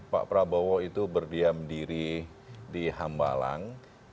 pak prabowo itu berdiam diri di hambalang